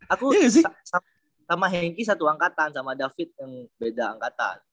aku sama henki satu angkatan sama david yang beda angkatan